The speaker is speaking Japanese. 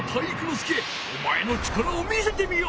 介お前の力を見せてみよ！